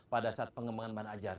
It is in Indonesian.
pada saat pengembangan mana ajar